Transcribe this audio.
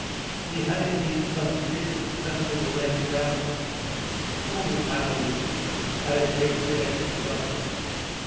He had indeed some judicious sensible men about him, who, I believe, had a great share in the government.